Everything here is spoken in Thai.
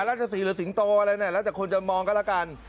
ลักษณะสีหรือสิงโตอะไรนะลักษณะคนจะมองกันแล้วกัน